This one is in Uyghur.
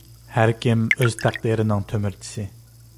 ھەركىم ئۆز تەقدىرىنىڭ تۆمۈرچىسى!